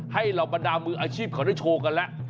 เหล่าบรรดามืออาชีพเขาได้โชว์กันแล้ว